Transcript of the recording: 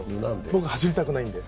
僕、走りたくないんで。